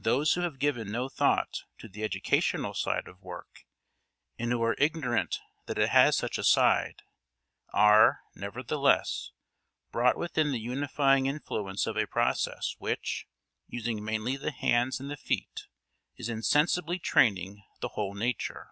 Those who have given no thought to the educational side of work, and who are ignorant that it has such a side, are, nevertheless, brought within the unifying influence of a process which, using mainly the hands and the feet, is insensibly training the whole nature.